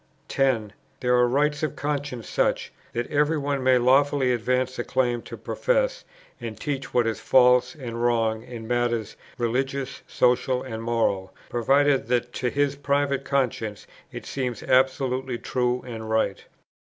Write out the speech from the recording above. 10. There are rights of conscience such, that every one may lawfully advance a claim to profess and teach what is false and wrong in matters, religious, social, and moral, provided that to his private conscience it seems absolutely true and right.